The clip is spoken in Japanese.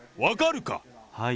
分かるか。